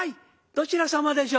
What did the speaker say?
どちら様でしょう？」。